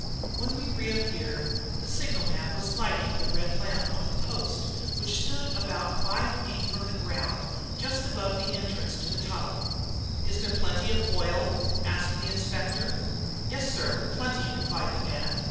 When we re appeared the signalman was lighting the red lamp on the post, which stood about five feet from the ground just above the entrance to the tunnel. "Is there plenty of oil?" asked the Inspector. "Yes, sir, plenty," replied the man.